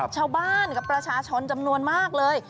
ชาวบ้านกับประชาชนจำนวนมากเลย